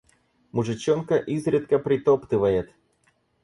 Мужичонка изредка притоптывает.